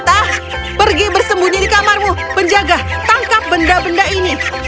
kita pergi bersembunyi di kamarmu penjaga tangkap benda benda ini